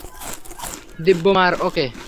দিব্যা, মার ওকে।